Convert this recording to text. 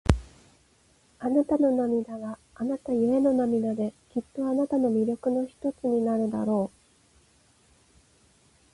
あなたの涙は、あなたゆえの涙で、きっとあなたの魅力の一つになるだろう。